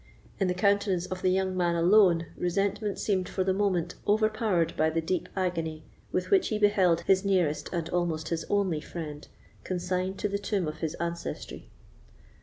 In the countenance of the young man alone, resentment seemed for the moment overpowered by the deep agony with which he beheld his nearest, and almost his only, friend consigned to the tomb of his ancestry.